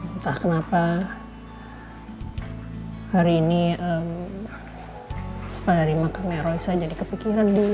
entah kenapa hari ini setelah dari makamnya roy saya jadi kepikiran dulu